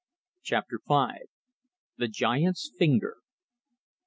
CHAPTER V. THE GIANT'S FINGER.